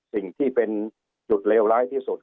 สิ่งที่เป็นจุดเลวร้ายที่สุด